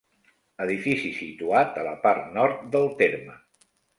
Edifici situat a la part nord del terme.